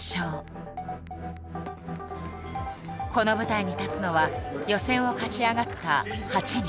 この舞台に立つのは予選を勝ち上がった８人。